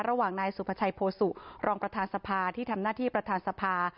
ระหว่างนายสุภาชัยโพสุรองประธานสภาที่ทำหน้าที่ประธานสภา